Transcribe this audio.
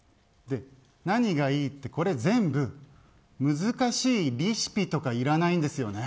何がいいってこれ全部難しい、リシピとかいらないんですよね。